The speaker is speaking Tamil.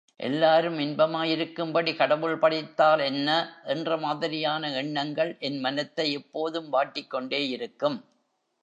எல்லாரும் இன்பமாயிருக்கும்படி கடவுள் படைத்தால் என்ன? என்ற மாதிரியான எண்ணங்கள் என் மனத்தை எப்போதும் வாட்டிக் கொண்டேயிருக்கும்.